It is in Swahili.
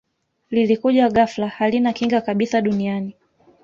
lilikuja ghafla halina kinga kabisa duniani